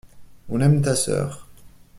On aime ta sœur.